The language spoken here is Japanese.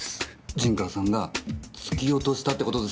陣川さんが突き落としたって事ですか！？